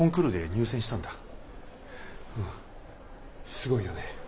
すごいよね。